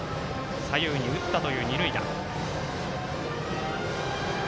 左右に打ったという二塁打。